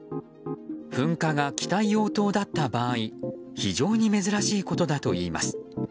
噴火が北硫黄島だった場合非常に珍しいことだといいます。